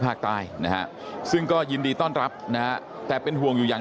ภาคใต้นะฮะซึ่งก็ยินดีต้อนรับนะฮะแต่เป็นห่วงอยู่อย่าง